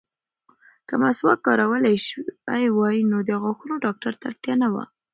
که مسواک کارول شوی وای، نو د غاښونو ډاکټر ته اړتیا نه وه.